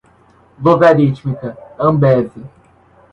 logarítmica, Ambev